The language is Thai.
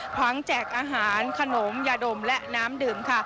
ทั้งแจกอาหารขนมยาดมและน้ำดื่มค่ะ